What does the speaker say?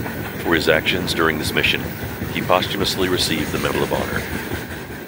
For his actions during this mission, he posthumously received the Medal of Honor.